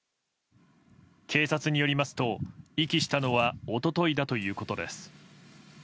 警察によりますと、遺棄したのは一昨日だということです。